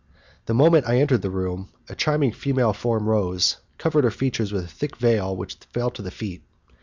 The moment I entered the room, a charming female form rose, covering her features with a thick veil which fell to the feet.